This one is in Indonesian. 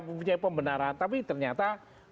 mempunyai pembenaran tapi ternyata